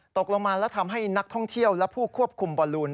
ตกลงมาแล้วทำให้นักท่องเที่ยวและผู้ควบคุมบอลลูน